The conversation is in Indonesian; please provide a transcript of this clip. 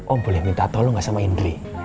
om boleh minta tolong gak sama indri